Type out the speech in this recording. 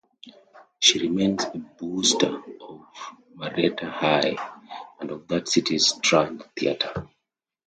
She remains a booster of Marietta High and of that city's Strand Theater.